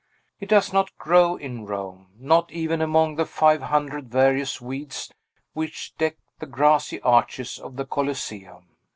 It does not grow in Rome; not even among the five hundred various weeds which deck the grassy arches of the Coliseum.